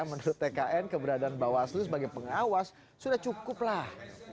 menurut tkn keberadaan bawaslu sebagai pengawas sudah cukup lah